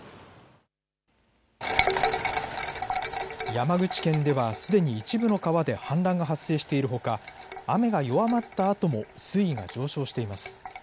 山口県ではすでに一部の川で氾濫が発生しているほか雨が弱まったあとも水位が上昇しています。